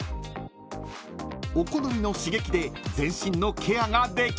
［お好みの刺激で全身のケアができる］